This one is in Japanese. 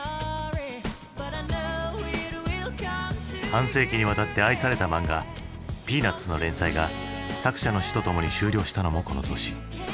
半世紀にわたって愛された漫画「ピーナッツ」の連載が作者の死とともに終了したのもこの年。